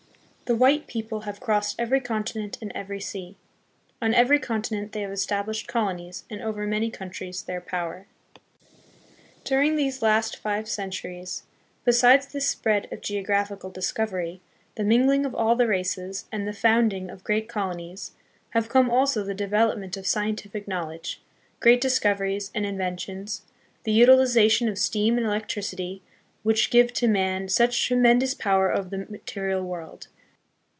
The white people have crossed every con tinent and every sea. On every continent they, have estab lished colonies and over many countries their power. During these last five centuries, besides this spread of geographical discovery, the mingling of all the races, and the founding of great colonies, have come also the develop ment of scientific knowledge, great discoveries and inven tions, the utilization of steam and electricity, which give to man such tremendous powor over the material world.